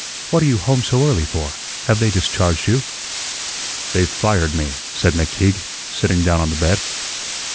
What are you home so early for? Have they discharged you?" "They've fired me," said McTeague, sitting down on the bed.